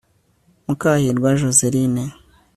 mukahirwa joséline